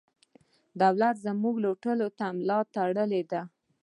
دولت زموږ لوټلو ته ملا تړلې ده.